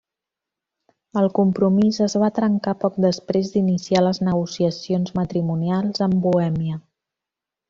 El compromís es va trencar poc després d'iniciar les negociacions matrimonials amb Bohèmia.